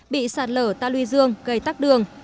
bị sạt lở ta lưu dương gây tắc đường